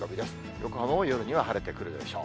横浜も夜には晴れてくるでしょう。